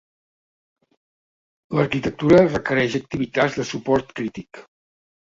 L'arquitectura requereix activitats de suport crític.